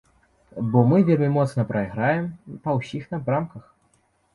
Бо мы вельмі моцна прайграем па ўсіх напрамках.